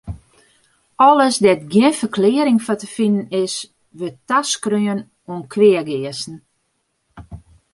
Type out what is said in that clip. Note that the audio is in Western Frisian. Alles dêr't gjin ferklearring foar te finen is, wurdt taskreaun oan kweageasten.